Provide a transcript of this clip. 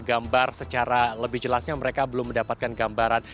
gambar secara lebih jelasnya mereka belum mendapatkan gambaran